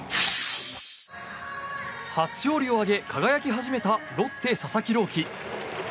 初勝利を挙げ輝き始めたロッテ、佐々木朗希。